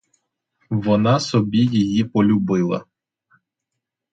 Вона собі її полюбила.